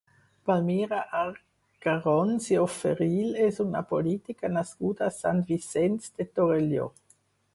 Palmira Arcarons i Oferil és una política nascuda a Sant Vicenç de Torelló.